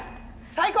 最高！